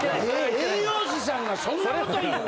栄養士さんがそんなこと言うの！？